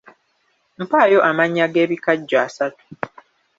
Mpaayo amannya g’ebikajjo asatu.